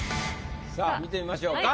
さぁ見てみましょうか。